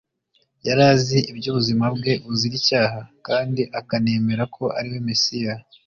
Yari azi iby'ubuzima bwe buzira icyaha, kandi akanemera ko ariwe Mesiya ;